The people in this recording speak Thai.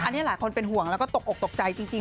อันนี้หลายคนเป็นห่วงแล้วก็ตกอกตกใจจริง